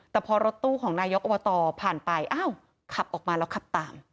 แต่พอรถตู้ของนายกอบตผ่านไปอ้าวขับออกมาแล้วขับตาม